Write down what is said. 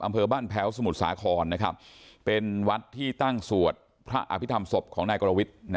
อำเภอบ้านแพ้วสมุทรสาครเป็นวัดที่ตั้งสวดพระอภิษฐรรมศพของนายกรวิทย์